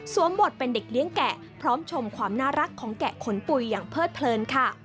บทเป็นเด็กเลี้ยงแกะพร้อมชมความน่ารักของแกะขนปุ๋ยอย่างเพิดเพลินค่ะ